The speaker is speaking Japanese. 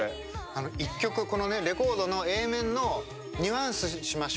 あの１曲このねレコードのＡ面の「ニュアンスしましょ」。